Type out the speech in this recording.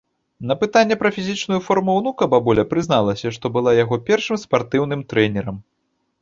На пытанне пра фізічную форму ўнука бабуля прызналася, што была яго першым спартыўным трэнерам.